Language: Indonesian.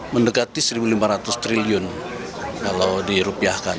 mendekati rp satu lima ratus triliun kalau dirupiahkan